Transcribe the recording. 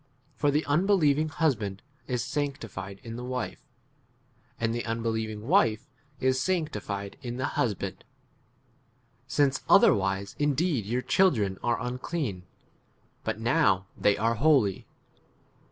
14 For the unbelieving husband is sanctified in the wife, and the unbelieving wife is sanctified in the husband; since [otherwise] indeed your children are unclean, 15 but now they are holy.